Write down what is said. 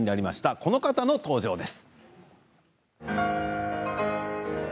この方の登場です。